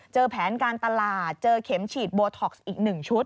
แผนการตลาดเจอเข็มฉีดโบท็อกซ์อีก๑ชุด